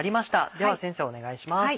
では先生お願いします。